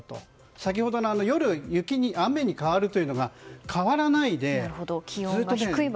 先ほどの夜、雨に変わるというのが変わらないでずっと。